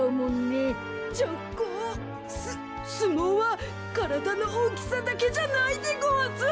すすもうはからだのおおきさだけじゃないでごわす。